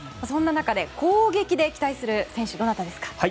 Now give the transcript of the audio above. そんな中で攻撃で期待する選手はどなたですか？